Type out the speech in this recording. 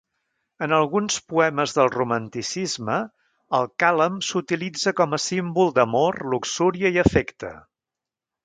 En alguns poemes del Romanticisme, el càlam s'utilitza com a símbol d'amor, luxúria i afecte.